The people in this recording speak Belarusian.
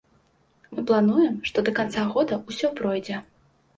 Мы плануем, што да канца года ўсё пройдзе.